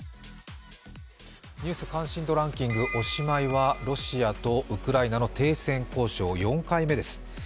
「ニュース関心度ランキング」、おしまいはロシアとウクライナの停戦交渉、４回目です。